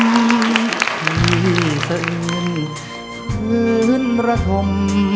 ไม่มีสะอื่นฟื้นระทม